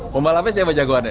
pembalapnya siapa jagoannya